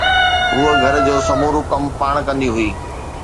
هوءَ گهر جو سمورو ڪم پاڻ ڪندي هئي